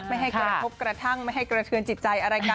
ไม่ให้กระทบกระทั่งไม่ให้กระเทือนจิตใจอะไรกัน